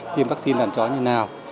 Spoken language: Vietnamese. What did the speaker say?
tiêm vaccine đàn chó như nào